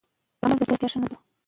که امن وي نو لابراتوار نه تړل کیږي.